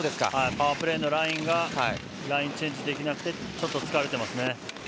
パワープレーのラインがラインチェンジできてなくてちょっと疲れています。